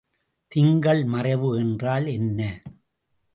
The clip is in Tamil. திங்கள் மறைவு என்றால் என்ன?